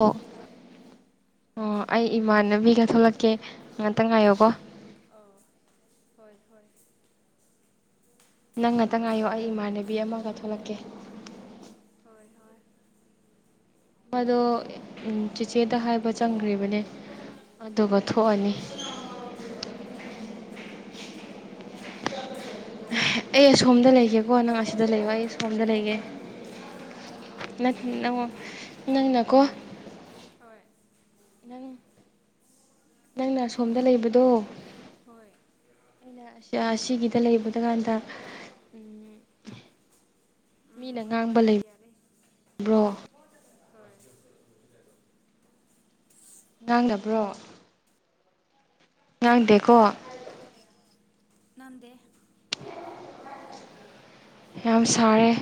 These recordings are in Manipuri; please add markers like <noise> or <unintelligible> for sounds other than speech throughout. ꯑꯣ ꯑ ꯑꯣ ꯑꯩ ꯏꯃꯥꯟꯅꯕꯤꯒ ꯊꯣꯛꯂꯛꯀꯦ ꯉꯥꯛꯇ ꯉꯥꯏꯌꯣꯀꯣ ꯑ ꯍꯣꯏ ꯍꯣꯏ ꯅꯪ ꯉꯥꯛꯇꯪ ꯉꯥꯏꯌꯣ ꯑꯩ ꯏꯃꯥꯟꯅꯕꯤ ꯑꯃꯒ ꯊꯣꯛꯂꯛꯀꯦ ꯍꯣꯏ ꯍꯣꯏ ꯃꯗꯣ ꯆꯦꯆꯦꯗ ꯍꯥꯏꯕ ꯆꯪꯈ꯭ꯔꯤꯕꯅꯦ ꯑꯗꯨꯒ ꯊꯣꯛꯑꯅꯤ ꯍꯣꯏ ꯑꯩ ꯑꯁꯣꯝꯗ ꯂꯩꯒꯦꯀꯣ ꯅꯪ ꯑꯁꯤꯗ ꯂꯩꯕꯣ ꯑꯩ ꯁꯣꯝꯗ ꯂꯩꯒꯦ ꯪ ꯅꯪꯅꯀꯣ ꯍꯣꯏ ꯏꯅ ꯅꯪꯅ ꯁꯣꯝꯗ ꯂꯩꯕꯗꯣ ꯍꯣꯏ ꯑꯩꯅ ꯑꯁꯤꯒꯤꯗ ꯂꯩꯕꯗ ꯀꯥꯟꯗ ꯃꯤꯅ ꯎꯝ ꯉꯥꯡꯕ ꯍꯣꯏ ꯌꯥꯔꯦ ꯂꯩꯕꯕ꯭ꯔꯣ ꯍꯣꯏ ꯉꯥꯡꯅꯕ꯭ꯔꯣ ꯉꯥꯡꯗꯦꯀꯣ ꯅꯗꯦ ꯌꯥꯝ ꯁꯥꯔꯦ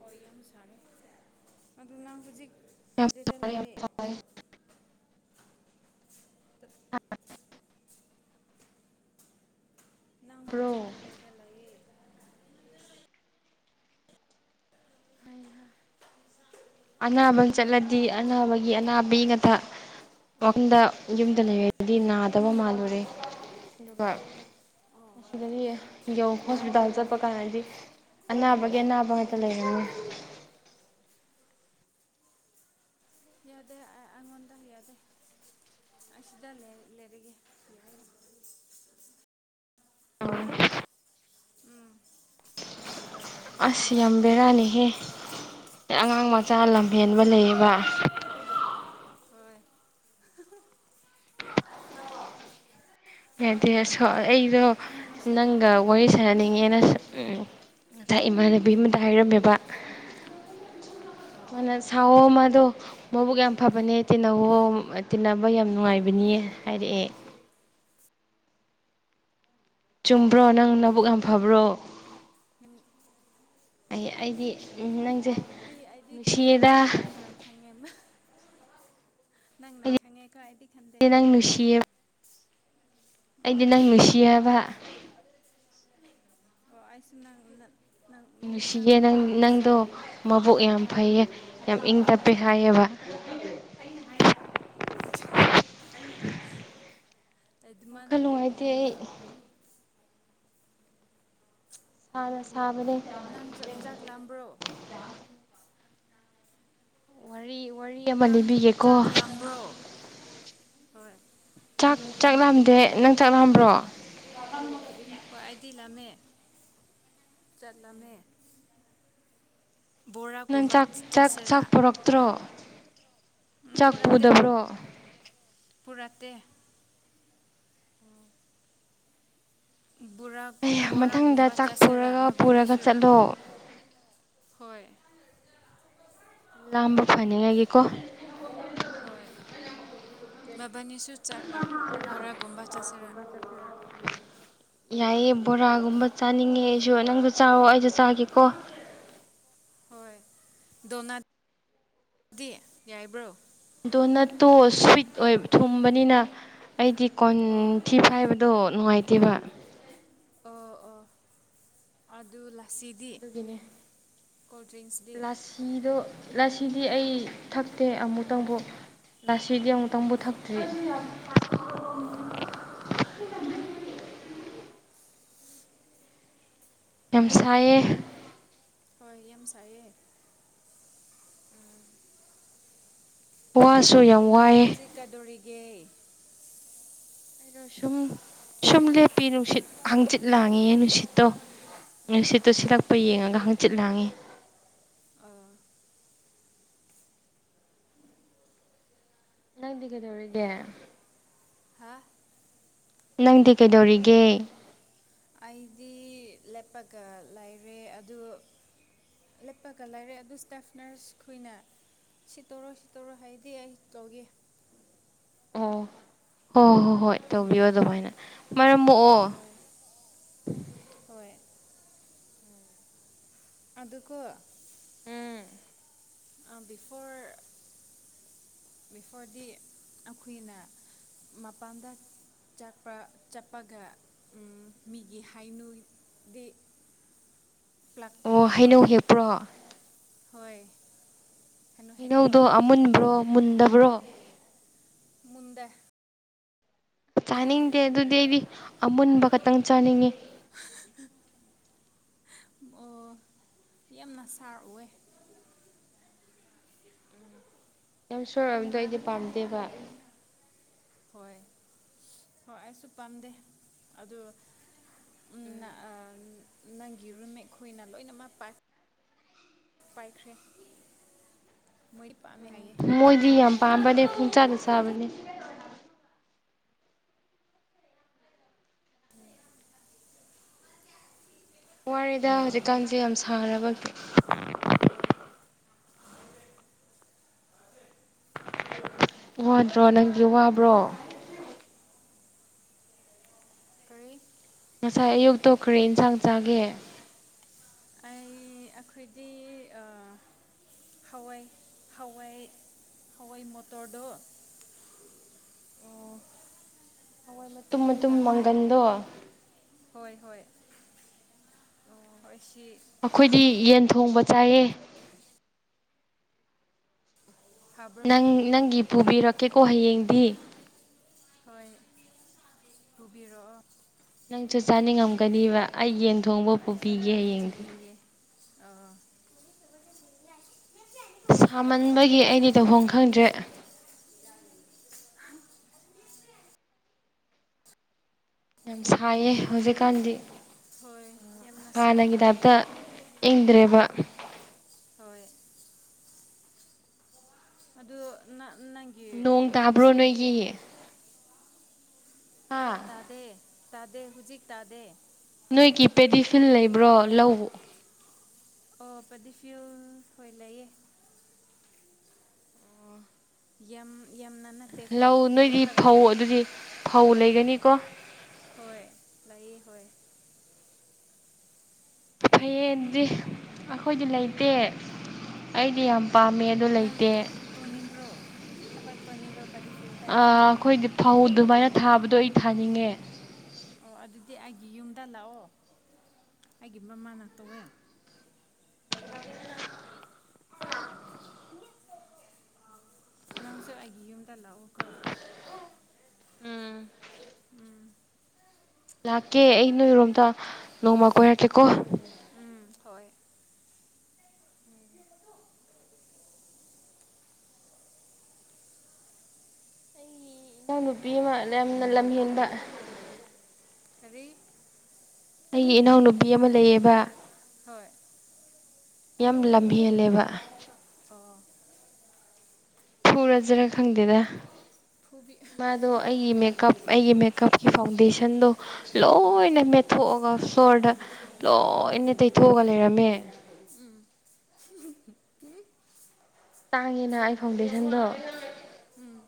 ꯍꯣꯏ ꯌꯥꯝ ꯁꯥꯔꯦ ꯑꯗꯨ ꯅꯪ ꯍꯧꯖꯤꯛ ꯌꯥꯝ ꯀꯔꯤꯗ ꯂꯩꯌꯦ ꯑꯥ ꯅꯪ ꯕ꯭ꯔꯣ ꯍꯧꯖꯤꯛ ꯀꯗꯥꯏꯗ ꯂꯩꯌꯦ ꯑꯅꯥꯕꯝ ꯆꯠꯂꯗꯤ ꯑꯅꯥꯕꯒꯤ ꯑꯅꯥꯕꯤ ꯉꯊ ꯋꯥꯈꯐꯝꯗ ꯌꯨꯝꯗ ꯂꯩꯕꯗꯤ ꯅꯥꯗꯕ ꯃꯥꯜꯂꯨꯔꯦ ꯑꯗꯨꯒ ꯑꯁꯤꯗꯗꯤ ꯌ ꯍꯣꯁꯄꯤꯇꯥꯜ ꯆꯠꯄ ꯀꯥꯟꯅꯗꯤ ꯑꯅꯥꯕꯒꯤ ꯑꯅꯥꯕ ꯉꯥꯛꯇ ꯂꯩꯔꯅꯤ ꯌꯥꯗꯦ ꯑꯩꯉꯣꯟꯗ ꯌꯥ ꯌꯥꯗꯦ ꯑ ꯁꯤꯗ ꯂꯩ ꯂꯩꯔꯤꯒꯦ ꯎꯝ ꯑꯁ ꯅꯣꯏꯁ ꯌꯥꯝꯅ ꯌꯥꯝꯝꯝꯕꯔꯥꯅꯤ ꯍꯦ ꯑꯉꯥꯡ ꯃꯆꯥ ꯍꯣꯏ ꯂꯝꯍꯦꯟꯕ ꯂꯩꯌꯦꯕ ꯍꯣꯏ ꯌꯥꯗꯤ ꯌꯥꯔꯦ ꯑꯩꯗꯣ ꯅꯪ ꯉꯁꯤ ꯅꯪꯒ ꯊꯕꯛ ꯋꯥꯔꯤ ꯁꯥꯟꯅꯅꯤꯡꯉꯦꯅ ꯉꯁꯥꯏ ꯏꯃꯥꯟꯅꯕꯤ ꯑꯃꯗ ꯍꯥꯏꯔꯝꯃꯦꯕ ꯑꯣ ꯃꯥꯅ ꯁꯥꯋꯣ ꯃꯥꯗꯣ ꯃꯕꯨꯛ ꯌꯥꯝ ꯐꯕꯅꯦ ꯇꯤꯟꯅꯋꯣ ꯇꯤꯟꯅꯕ ꯌꯥꯝ ꯅꯨꯡꯉꯥꯏꯕꯅꯤꯌꯦ ꯍꯥꯏꯔꯛꯑꯦ ꯆꯨꯝꯕ꯭ꯔꯣ ꯅꯪ ꯅꯕꯨꯛ ꯌꯥꯝ ꯍꯣꯏ ꯐꯕ꯭ꯔꯣ ꯑꯩ ꯑꯩꯗꯤ ꯎ ꯅꯪꯁꯦ ꯑꯗꯨꯗꯤ ꯑꯩꯗꯤ ꯈꯟꯗꯦꯀꯣ ꯅꯨꯡꯁꯤꯌꯦꯗ ꯅꯪꯅ ꯈꯪꯉꯦ ꯅꯪꯅ ꯈꯪꯉꯦꯀꯣ ꯍꯥꯏꯗꯤ ꯑ ꯅꯪ ꯅꯨꯡꯁꯤꯌꯦ ꯑꯩꯗꯤ ꯅꯪ ꯅꯪꯁꯨ ꯈꯨꯁꯤꯤꯕ ꯑꯣ ꯑꯥꯏꯁꯤꯡ ꯅꯉꯅ ꯅꯨꯡꯁꯤꯌꯦ ꯅꯪ ꯅꯪꯗꯣ ꯃꯕꯣꯛ ꯌꯥꯝ ꯐꯩꯌꯦ ꯌꯥꯝ ꯏꯪ ꯇꯞꯄꯦ ꯍꯥꯏꯑꯕ <inaudible> ꯎ <inaudible> ꯑꯗꯨꯃꯥꯏꯅ ꯋꯥꯈꯜ ꯅꯨꯡꯉꯥꯏꯇꯦ ꯍꯥꯏꯒꯅꯨ ꯑꯩ ꯁꯅ ꯁꯥꯕꯅ ꯅꯥꯟꯆꯠ ꯆꯥꯛ ꯂꯥꯕ꯭ꯔꯣ ꯋꯥꯔꯤ ꯋꯥꯔꯤ ꯑꯃ ꯅꯪ ꯂꯤꯕꯤꯒꯦꯀꯣ ꯆꯥꯛ ꯂꯥꯝꯕ꯭ꯔꯣ ꯍꯣꯏ ꯉꯍꯥꯛ ꯆꯥꯛꯂꯝꯝꯗꯦ ꯅꯪ ꯆꯥꯛꯂꯝꯂꯝꯕ꯭ꯔꯣ ꯀꯏꯗꯤꯂꯝꯃꯦ ꯆꯠꯂꯝꯃꯦ ꯅꯪ ꯆꯥꯛ ꯆꯥꯛ ꯆꯥꯛ ꯄꯨꯔꯛꯇ꯭ꯔꯣ ꯎꯝ ꯆꯥꯛ ꯄꯨꯗꯕ꯭ꯔꯣ ꯄꯨꯔꯠꯇ ꯕꯣꯔꯥ ꯑꯩ ꯃꯊꯪꯗ ꯕꯣꯔꯥꯒꯨꯝꯕ ꯆꯥꯛ ꯆꯥꯁꯤꯔꯥ ꯄꯨꯔꯒ ꯄꯨꯔꯒ ꯃꯕꯥꯅꯤꯁꯨ ꯆꯠꯂꯣ ꯍꯣꯏ ꯂꯃꯣ ꯐ ꯂꯀ ꯍꯣꯏ ꯃꯕꯥꯅꯤꯁꯨ ꯕꯣꯔꯥꯒꯨꯝꯕꯥ ꯆꯥꯁꯥ <inaudible> ꯌꯥꯏꯑꯦ ꯕꯣꯔꯥꯒꯨꯝꯕ ꯆꯥꯅꯤꯡꯉꯦ ꯑꯩꯁꯨ ꯅꯪꯁꯨ ꯆꯥꯔꯣ ꯑꯩꯁꯨ ꯆꯥꯒꯦꯀꯣ ꯍꯣꯏ ꯗꯣꯅꯗꯤ ꯌꯥꯏꯕ꯭ꯔꯣ ꯗꯣꯅꯠꯇꯣ ꯁ꯭ꯋꯤꯠ ꯑꯣꯏꯕ ꯊꯨꯝꯕꯅꯤꯅ ꯑꯩꯗꯤ ꯑꯣ ꯀꯣꯟꯊꯤ ꯐꯥꯏꯕꯗꯣ ꯑꯣ ꯅꯨꯡꯉꯥꯏꯇꯦꯕ ꯑꯣ ꯑꯣ ꯑꯗꯨ ꯂꯥꯛ ꯑꯗꯨꯒꯤꯅꯦ ꯗ꯭ꯔꯤꯡꯁꯗꯤ ꯂꯥꯁꯤꯗꯣ ꯂꯁꯤꯗꯤ ꯑꯩ ꯊꯛꯇꯦ ꯑꯃꯨꯛꯇꯪꯕꯣꯛ ꯂꯁꯤꯗꯤ ꯑꯃꯨꯛꯇꯪ ꯄꯨꯊꯛꯇ꯭ꯔꯤ ꯑꯣ <unintelligible> ꯌꯥꯝꯁꯥꯏꯌꯦ ꯍꯣꯏ ꯌꯥꯝ ꯁꯥꯏꯌꯦ ꯋꯥꯁꯨ ꯌꯥꯝ ꯋꯥꯏꯑꯦ ꯌꯦꯦ ꯑꯩꯅꯣ ꯁꯨꯝ ꯁꯨꯝ ꯂꯦꯞꯄꯤ ꯅꯨꯡꯁꯤꯠ ꯍꯥꯡꯆꯤꯠ ꯂꯥꯡꯉꯤ ꯅꯨꯡꯁꯤꯠꯇꯣ ꯅꯨꯡꯁꯤꯠꯇꯨ ꯑꯣ ꯁꯤꯜꯂꯛꯄ ꯌꯦꯡꯉꯒ ꯍꯪꯆꯤꯠ ꯂꯥꯡꯉꯤ ꯑꯣ ꯅꯗꯤꯤ ꯀꯗꯧꯔꯒꯦ ꯍꯥ ꯅꯪꯗꯤ ꯀꯩꯗꯧꯔꯤꯒꯦ ꯑꯩꯗꯤ ꯂꯦꯞꯄꯒ ꯂꯩꯔꯦ ꯑꯗꯨ ꯂꯦꯠꯄꯒ ꯂꯩꯥꯏꯔꯦ ꯑꯗꯨ ꯏꯁꯇꯥꯐ ꯅꯔꯁ ꯈꯣꯏꯅ ꯁꯤ ꯇꯧꯔꯣ ꯁꯤ ꯇꯧꯔꯣ ꯍꯥꯏꯗꯤ ꯑꯩ ꯇꯧꯒꯦ ꯑꯣ ꯍꯣꯏ ꯍꯣ ꯍꯣꯏ ꯎꯝ ꯇꯧꯕꯤꯌꯣ ꯑꯗꯨꯃꯥꯏꯅ ꯃꯔꯝ ꯊꯃꯛꯑꯣ ꯍꯣꯏ ꯍꯣꯏ ꯑꯗꯀꯣ ꯐꯣꯔꯗꯤ ꯑꯩꯈꯣꯏꯅ ꯃꯄꯥꯟꯗ ꯆꯠꯄ ꯆꯠꯄꯒ ꯃꯤꯒꯤ ꯍꯥꯏꯅꯨꯗꯤꯦ <unintelligible> ꯑꯣ ꯍꯩꯅꯧ ꯍꯦꯞꯄ꯭ꯔꯣ ꯍꯣꯏ ꯍꯩꯅꯧ ꯍꯦꯛꯄ ꯍꯩꯅꯧꯗꯣ ꯑꯃꯨꯟꯕ꯭ꯔꯣ ꯃꯨꯟꯗꯕ꯭ꯔꯣ ꯃꯗ ꯆꯥꯅꯤꯡꯗꯦ ꯑꯗꯨꯗꯤ ꯑꯩꯗꯤ ꯑꯃꯨꯟꯕ ꯈꯛꯇꯪ ꯆꯥꯅꯤꯡꯉꯤ ꯑꯣ ꯌꯥꯝꯅ ꯁꯥꯔ ꯑꯣꯏꯑꯦ ꯌꯥꯝ ꯁꯣꯔꯕꯗꯣ ꯑꯩꯗꯤ ꯄꯥꯝꯗꯦꯕ ꯍꯣꯏ ꯍꯣꯏ ꯑꯩꯁꯨ ꯄꯥꯝꯗꯦ ꯑꯗꯨ ꯎꯝ ꯅꯪꯒꯤꯔꯨꯝ ꯑꯩꯈꯣꯏꯅ ꯂꯣꯏꯅꯃꯛ ꯄꯥꯛ ꯄꯥꯏꯈ꯭ꯔꯦ ꯃꯣꯏ ꯄꯥꯝꯃꯦ ꯍꯥꯏꯌꯦꯦ ꯃꯣꯏꯗꯤ ꯍꯧꯋꯦ ꯌꯥꯝ ꯍꯧꯋꯏ ꯄꯥꯝꯕꯅꯦ ꯍꯥꯏꯌꯦ ꯂꯣꯏꯅꯃꯛ ꯄꯨꯡꯆꯥꯗ ꯑꯗꯨꯒꯤ ꯆꯥꯕꯅꯦ ꯋꯥꯔꯤꯗ ꯍꯧꯖꯤꯛꯀꯥꯟꯁꯦ ꯌꯥꯝ ꯁꯥꯔꯕ ꯍꯣꯏ ꯋꯥꯗ꯭ꯔꯣ ꯅꯪꯒꯤ ꯋꯥꯕ꯭ꯔꯣ ꯀꯔꯤ ꯉꯁꯥꯏ ꯑꯌꯨꯛ ꯇꯣꯛꯈ꯭ꯔꯦ ꯏꯟꯁꯥꯡ ꯆꯥꯒꯦ ꯑꯩ ꯑꯩꯈꯣꯏꯗꯤ ꯍꯋꯥꯏ ꯍꯋꯥꯏ ꯍꯋꯥꯏ ꯃꯣꯇꯣꯔꯗꯣ ꯎꯝ ꯍꯣꯏ ꯃꯇꯨꯝ ꯃꯇꯨꯝ ꯇꯥꯕ꯭ꯔꯣ ꯃꯪꯒꯟꯗꯣ ꯍꯣꯏ ꯍꯣꯏ ꯑꯣ ꯍꯣꯏ ꯁꯤ ꯑꯩꯈꯣꯏꯗꯤ ꯌꯦꯟ ꯊꯣꯡꯕ ꯆꯥꯏꯌꯦ ꯍꯥꯕ꯭ꯔꯣ ꯅꯪ ꯅꯪꯒꯤ ꯄꯨꯕꯤꯔꯛꯀꯦꯀꯣ ꯍꯌꯦꯡꯗꯤ ꯍꯣꯏ ꯄꯨꯕꯤꯔꯛꯑꯣ ꯅꯪꯁꯨ ꯆꯥꯅꯤꯡꯉꯝꯒꯅꯦꯕ ꯑꯩ ꯌꯦꯟ ꯊꯣꯡꯕ ꯍꯣꯏ ꯑꯩꯁꯨ ꯄꯨꯕꯤꯒꯦ ꯌꯥꯝꯅ ꯍꯌꯦꯡꯗꯤ ꯆꯪꯅꯤꯡꯉꯦ ꯑꯥ ꯁꯥꯃꯟꯕꯒꯤ ꯑꯩꯗꯤ ꯇꯧꯍꯣꯡ ꯈꯪꯗ꯭ꯔꯦ ꯌꯥꯝ ꯁꯥꯏꯌꯦ ꯍꯧꯖꯤꯛꯀꯥꯟꯗꯤ ꯍꯣꯏ ꯌꯥꯝꯅ ꯍꯥꯟꯅꯒꯤ ꯁꯥꯏꯌꯦ ꯇꯥꯏꯞꯇ ꯏꯪꯗ꯭ꯔꯦꯕ ꯍꯣꯏ ꯑꯗꯨ ꯅꯪꯒꯤ ꯅꯣꯡ ꯇꯥꯕ꯭ꯔꯣ ꯃꯔꯨꯞꯁꯤꯡꯗꯤ ꯅꯣꯏꯒꯤ ꯍꯥ ꯇꯥꯗꯦ ꯇꯥꯗꯦ ꯍꯧꯖꯤꯛ ꯇꯥꯗꯦ ꯅꯣꯏꯒꯤ ꯄꯦꯗꯤꯐꯤꯜ ꯂꯩꯕ꯭ꯔꯣ ꯂꯎ ꯑꯣ ꯄꯗꯤꯐꯤꯌꯜ ꯍꯣꯏ ꯂꯩꯌꯦ ꯌꯝ ꯂꯧ ꯅꯣꯏꯗꯤ ꯐꯧ ꯂꯩꯌꯦ ꯑꯗꯨꯗꯤ ꯐꯧ ꯂꯩꯒꯅꯤꯀꯣ ꯍꯣꯏ ꯂꯥꯏꯑꯦ ꯍꯣꯏ ꯐꯩꯌꯦ ꯑꯗꯨꯗꯤ ꯑꯈꯣꯏꯗꯤ ꯂꯩꯇꯦ ꯑꯩꯗꯤ ꯌꯥꯝ ꯄꯥꯝꯃꯦ ꯑꯗꯣ ꯅꯪ ꯂꯩꯇꯦ ꯇꯣꯅꯤꯡꯕ꯭ꯔꯣ ꯊꯥꯕꯛ ꯇꯣꯅꯤꯡꯕ꯭ꯔꯣ ꯄꯥꯗꯤꯐꯤꯜꯗ ꯑꯈꯣꯏꯗꯤ ꯐꯧ ꯑꯗꯨꯃꯥꯏꯅ ꯊꯥꯕꯗꯣ ꯑꯩ ꯊꯥꯅꯤꯡꯉꯦ ꯑꯣ ꯑꯗꯨꯗꯤ ꯑꯩꯒꯤ ꯌꯨꯝꯗ ꯂꯥꯛꯑꯣ ꯑꯩꯒꯤ ꯃꯃꯥꯅ ꯇꯧꯋꯦ ꯅꯪꯁꯨ ꯑꯒꯤ ꯌꯨꯝꯗ ꯂꯥꯛꯑꯣ ꯀꯣ ꯎꯝ ꯎꯝ ꯂꯥꯛꯀꯦ ꯑꯩ ꯅꯣꯏꯔꯣꯝꯇ ꯅꯣꯡꯃ ꯀꯣꯏꯔꯛꯀꯦꯀꯣ ꯎꯝ ꯍꯣꯏ ꯑꯩ ꯏꯅꯥꯎ ꯅꯨꯨꯄꯤ ꯑꯃ ꯌꯥꯝꯅ ꯂꯝꯍꯦꯟꯕ ꯀꯔꯤ ꯑꯩꯒꯤ ꯏꯅꯥꯎꯅꯨꯄꯤ ꯑꯃ ꯂꯩꯌꯦꯕ ꯍꯣꯏ ꯌꯥꯝ ꯂꯝ ꯍꯦꯜꯂꯦꯕ ꯑꯣ ꯐꯨꯔꯁꯤꯔꯥ ꯈꯪꯗꯦꯗ ꯐꯨꯕꯤ ꯃꯥꯗꯣ ꯐꯨ ꯑꯩꯒꯤ ꯃꯦꯀꯞ ꯑꯩꯒꯤ ꯃꯦꯀꯞꯀꯤ ꯐꯥꯎꯟꯗꯦꯁꯟꯗꯣ ꯎꯝ ꯂꯣꯏꯅ ꯃꯦꯠꯊꯣꯛꯑꯒ ꯄꯣꯔꯗ ꯂꯣꯏꯅ ꯇꯩꯊꯣꯛꯑꯒ ꯂꯩꯔꯝꯃꯦ ꯎꯝ ꯇꯥꯡꯉꯦꯅ ꯑꯩ ꯐꯥꯎꯟꯗꯦꯁꯟꯗꯣ ꯎꯝ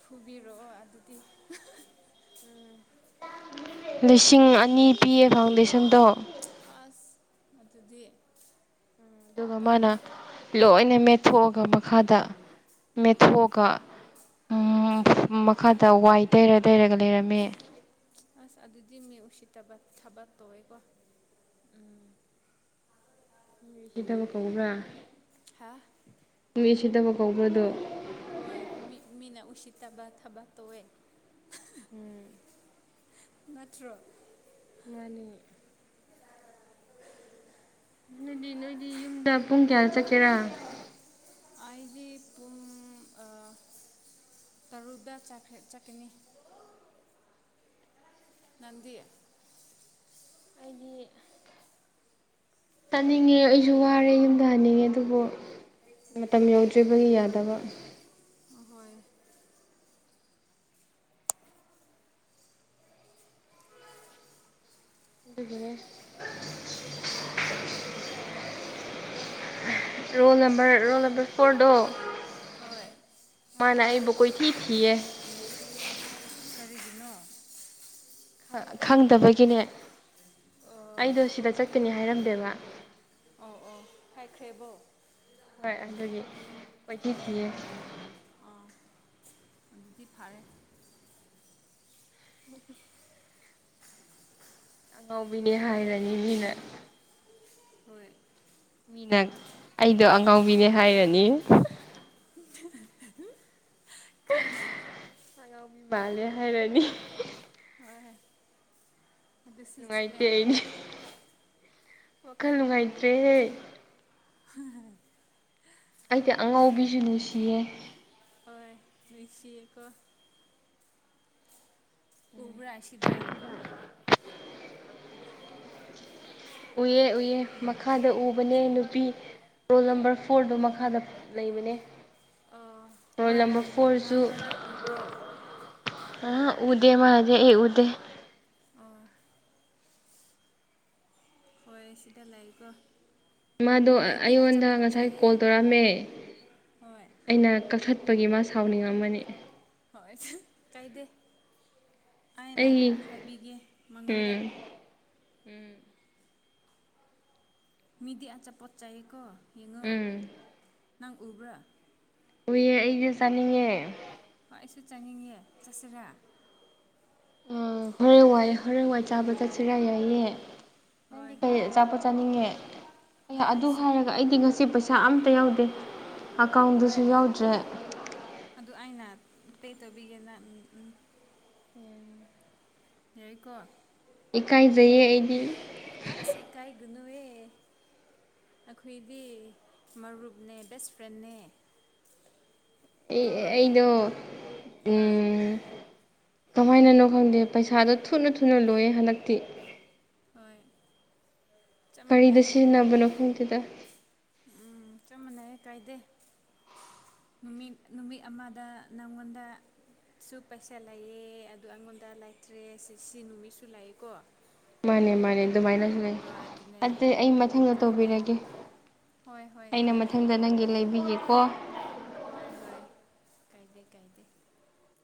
ꯐꯨꯕꯤꯔꯛꯑꯣ ꯑꯗꯨꯗꯤ ꯂꯤꯁꯤꯡ ꯑꯅꯤ ꯄꯤꯌꯦ ꯐꯥꯎꯟꯗꯦꯁꯟꯗꯣ ꯑꯁ ꯃꯗꯨꯗꯤ ꯑꯗꯨꯒ ꯃꯥꯅ ꯂꯣꯏꯅ ꯃꯦꯠꯊꯣꯛꯑꯒ ꯃꯈꯥꯗ ꯑꯣ ꯃꯦꯠꯊꯣꯛꯑꯒ ꯎꯝ ꯃꯈꯥꯗ ꯋꯥꯏ ꯇꯩꯔ ꯇꯩꯔꯒ ꯂꯩꯔꯝꯃꯦ ꯑꯁ ꯑꯗꯨꯗꯤ ꯃꯤ ꯎꯁꯤꯠꯇꯕ ꯊꯕꯛ ꯇꯧꯋꯦꯀꯣ ꯃꯤꯎꯁꯤꯠꯇꯕ ꯀꯧꯕ꯭ꯔꯥ ꯍꯥꯥ ꯃꯤꯎꯁꯤꯠꯇꯕ ꯀꯧꯕꯗꯣ ꯍꯣꯏ ꯃꯤ ꯃꯤꯅ ꯎꯁꯤꯠꯇꯥꯕ ꯊꯥꯕꯛ ꯇꯧꯋꯦ ꯎꯝ ꯅꯠꯇ꯭ꯔꯣ ꯃꯥꯅꯤ ꯑꯗꯨꯗꯤ ꯅꯣꯏꯗꯤ ꯌꯨꯝꯗ ꯄꯨꯡ ꯀꯌꯥꯗ ꯆꯠꯀꯦꯔꯥ ꯑꯩꯗꯤ ꯄꯨꯡ ꯇꯔꯨꯛꯇ ꯆꯥꯈ꯭ꯔꯦ ꯆꯠꯀꯅꯤ ꯅꯪꯗꯤ ꯑꯩꯗꯤ ꯆꯠꯅꯤꯡꯉꯦ ꯑꯩꯁꯨ ꯋꯥꯔꯦ ꯌꯨꯝꯗ ꯍꯟꯅꯤꯡꯉꯦ ꯑꯗꯨꯕꯨ ꯃꯇꯝ ꯌꯧꯗ꯭ꯔꯤꯕꯒꯤ ꯌꯥꯗꯕ ꯑꯍꯣꯏ ꯑꯗꯨꯅꯦ roll number roll number four ꯗꯣ ꯍꯣꯏ ꯃꯥꯅ ꯑꯩꯕꯨ ꯀꯣꯏꯊꯤ ꯊꯤꯌꯦ ꯇꯔꯤꯒꯤꯅꯣ ꯈꯪꯗꯕꯒꯤꯅꯦ ꯑꯣ ꯑꯩꯗꯣ ꯁꯤꯗ ꯆꯀꯅꯤ ꯍꯥꯏꯔꯝꯗꯦꯕ ꯑꯣ ꯑꯣ ꯍꯥꯏꯈ꯭ꯔꯦꯕꯣ ꯍꯣꯏ ꯑꯗꯨꯒꯤ ꯀꯣꯏꯊ ꯑꯥ ꯊꯌꯦ ꯐꯥꯔꯦ ꯎꯝ ꯑꯉꯥꯎꯤꯅꯦ ꯍꯥꯏꯔꯅꯤꯅꯦꯅ ꯍꯣꯏ ꯃꯤꯅ ꯑꯩꯗꯣ ꯑꯉꯥꯎꯕꯤꯅꯦ ꯍꯥꯏꯔꯅꯤ <inaudible> ꯀꯔꯤ ꯉꯃꯤ ꯃꯥꯂꯦ ꯍꯥꯏ ꯔꯅꯤ ꯍꯣꯏ ꯑꯗꯨꯁꯨ ꯆꯨꯝꯃꯦ ꯅꯨꯡꯉꯥꯏꯇꯦ ꯑꯩꯅꯦ ꯋꯥꯈꯜ ꯅꯨꯡꯉꯥꯏꯇ꯭ꯔꯦꯍꯦ ꯍꯝꯝ ꯑꯩꯗꯤ ꯑꯉꯧꯕꯤꯁꯨ ꯅꯨꯡꯁꯤꯌꯦ ꯀ ꯎꯕ꯭ꯔꯥ ꯁꯤꯗ ꯎꯏꯑꯦ ꯎꯏꯌꯦꯦ ꯃꯈꯥꯗ ꯎꯕꯅꯦ ꯅꯨꯄꯤ ꯔꯣꯜ ꯅꯝꯕꯔ ꯐꯣꯔꯗꯨ ꯃꯈꯥꯗ ꯂꯩꯕꯅꯦ ꯑꯣ ꯔꯣꯜ ꯃꯥꯅ ꯅꯝꯕꯔ ꯐꯣꯔꯁꯨ ꯅꯪꯉꯣꯟꯗ ꯎꯕ꯭ꯔꯣ ꯑ ꯎꯗꯦ ꯃꯥꯅꯦꯦ ꯑꯦ ꯎꯗꯦ ꯑꯣ ꯍꯣꯏ ꯁꯤꯗ ꯂꯩꯀꯣ ꯃꯥꯗꯣ ꯑꯣ ꯃꯤꯗꯤ ꯑꯩꯉꯣꯟꯗ ꯑꯆꯥꯄꯣꯠ ꯉꯁꯥꯏ ꯀꯣꯜ ꯆꯥꯏꯌꯦ ꯇꯧꯔꯛꯑꯝꯃꯦ ꯍꯣꯏ ꯑꯩꯅ ꯀꯛꯊ ꯆꯠꯄꯒꯤ ꯃꯥ ꯁꯥꯎꯅꯤꯡꯉꯝꯃꯅꯤ ꯍꯣꯏ ꯀꯥꯏꯗꯦ ꯑꯩꯅ ꯑꯩ ꯍꯥꯏꯕꯤꯒꯦ ꯃꯉꯣꯟꯗ ꯎꯝ ꯎꯝ ꯃꯤꯗꯤ ꯑꯆꯥ ꯄꯆꯥꯀ ꯎꯝ ꯅꯪ ꯎꯕ꯭ꯔꯥ ꯎꯏꯍꯦ ꯑꯩꯁ ꯆꯥꯅꯤꯡꯉꯦ ꯍꯣꯏ ꯑꯩꯁꯨ ꯆꯥꯅꯤꯡꯉꯦ ꯆꯠꯁꯤꯔꯥ ꯑ ꯍꯣꯔꯦꯟ ꯋꯥꯏ ꯍꯣꯔꯦꯟ ꯋꯥꯏ ꯆꯥꯕ ꯆꯠꯁꯤꯔ ꯌꯥꯏꯑ ꯍꯣꯏ ꯅꯪꯗꯤ ꯀꯩ ꯆꯆꯥꯄꯣꯠ ꯆꯥꯅꯤꯡꯉꯦ ꯑ ꯑꯗꯨ ꯑꯩꯁꯨ ꯍꯥꯏꯔꯒ ꯑꯩꯗꯤ ꯉꯁꯤ ꯄꯩꯁꯥ ꯑꯝꯇ ꯌꯥꯎꯗꯦ ꯑꯀꯥꯎꯟꯗꯨꯁꯨ ꯍꯣꯏ ꯌꯥꯎꯗ꯭ꯔꯦ ꯑꯗꯨ ꯑꯩꯅ ꯄꯦ ꯇꯕꯤꯤꯅ ꯌꯥꯏꯀꯣ ꯏꯀꯥꯏꯖꯩꯌꯦ ꯑꯩꯗꯤ ꯑ ꯏꯀꯥꯏꯒꯨꯅꯋꯦ ꯑꯩꯈꯣꯏꯗꯤ ꯃꯔꯨꯞꯅꯦ ꯕꯦꯁ ꯐ꯭ꯔꯦꯟꯅꯦ ꯀꯣ ꯑꯩꯗ ꯍꯣꯏ ꯀꯃꯥꯏꯅꯅꯣ ꯈꯪꯗꯦ ꯄꯩꯁꯥꯗꯣ ꯊꯨꯅ ꯊꯨꯅ ꯂꯣꯏꯌꯦ ꯍꯟꯗꯛꯇꯤ ꯍꯣꯏ ꯆꯞ ꯀꯔꯤꯗ ꯃꯥꯟꯅꯩꯌꯦ ꯁꯤꯖꯤꯟꯅꯕꯅꯣ ꯈꯐꯝꯗꯨꯗ ꯎꯝ ꯆꯞ ꯃꯥꯟꯅꯩ ꯀꯥꯏꯗꯦ ꯅꯨꯃꯤꯠ ꯅꯨꯃꯤꯠ ꯑꯃꯗ ꯅꯪꯉꯣꯟꯗ ꯁꯨ ꯄꯩꯁꯥ ꯂꯩꯑꯦ ꯑꯗꯨ ꯑꯩꯉꯣꯟꯗ ꯂꯩꯇ꯭ꯔꯦ ꯁꯤ ꯅꯨꯃꯤꯠꯁꯨ ꯂꯥꯛꯑꯦꯀꯣ ꯃꯥꯅꯦ ꯃꯥꯅꯦ ꯑꯗꯨꯃꯥꯏꯅꯁꯨ ꯂꯩ ꯑꯗꯨꯅꯦ ꯑꯗꯨ ꯑꯩ ꯃꯊꯪꯗ ꯀꯥꯏꯗꯦ ꯇꯧꯕꯤꯔꯒꯦ ꯍꯣꯏ ꯍꯣꯏ ꯑꯩꯅ ꯀꯥꯏꯗꯦ ꯃꯊꯪꯗ ꯅꯪꯒꯤ ꯂꯩꯕꯤꯒꯦꯀꯣ ꯍꯣꯏ ꯍꯣꯏ ꯀꯥꯏꯗꯩ ꯀꯥꯏꯗꯩ